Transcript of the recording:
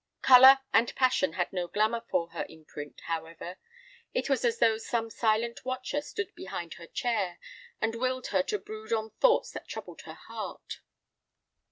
Color and passion had no glamour for her in print, however. It was as though some silent watcher stood behind her chair, and willed her to brood on thoughts that troubled her heart.